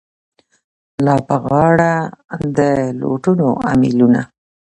لا په غاړه د لوټونو امېلونه